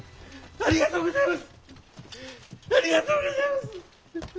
ありがとうごぜます！